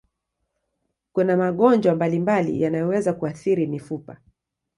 Kuna magonjwa mbalimbali yanayoweza kuathiri mifupa.